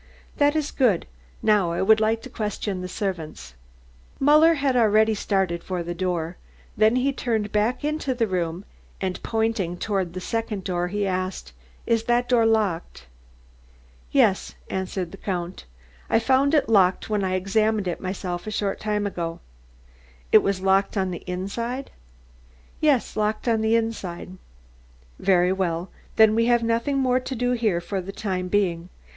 "That is good. Now I would like to question the servants." Muller had already started for the door, then he turned back into the room and pointing toward the second door he asked: "Is that door locked?" "Yes," answered the Count. "I found it locked when I examined it myself a short time ago." "It was locked on the inside?" "Yes, locked on the inside." "Very well. Then we have nothing more to do here for the time being.